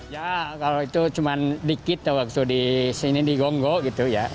ya kalau itu cuma dikit waktu di sini di gonggo gitu ya